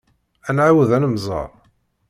Ad nɛawed ad nemẓer.